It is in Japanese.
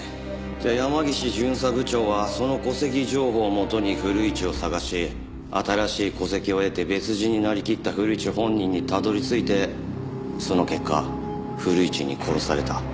じゃあ山岸巡査部長はその戸籍情報をもとに古市を捜し新しい戸籍を得て別人になりきった古市本人にたどり着いてその結果古市に殺された。